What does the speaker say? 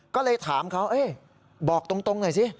ก็เลยถามเขาบอกตรงหน่อยสิ